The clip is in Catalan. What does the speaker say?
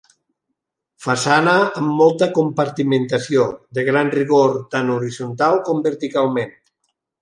Façana amb molta compartimentació, de gran rigor tan horitzontal com verticalment.